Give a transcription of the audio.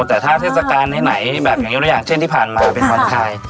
แต่ถ้าเทศกาลไหนแบบไหนยกตัวอย่างเช่นที่ผ่านมาเป็นวันไทย